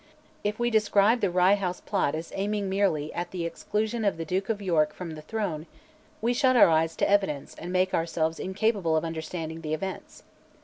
If we describe the Rye House Plot as aiming merely at "the exclusion of the Duke of York from the throne," we shut our eyes to evidence and make ourselves incapable of understanding the events.